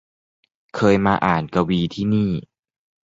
เคยมาอ่านกวีที่นี่